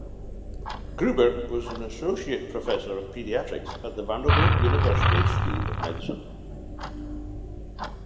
Gruber was an associate professor of pediatrics at the Vanderbilt University School of Medicine.